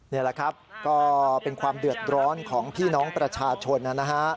นี่แหละครับก็เป็นความเดือดร้อนของพี่น้องประชาชนนะฮะ